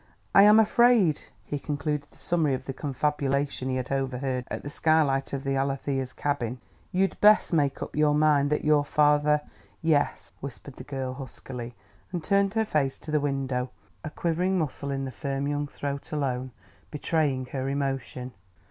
"I am afraid," he concluded the summary of the confabulation he had overheard at the skylight of the Alethea's cabin, "you'd best make up your mind that your father " "Yes," whispered the girl huskily; and turned her face to the window, a quivering muscle in the firm young throat alone betraying her emotion.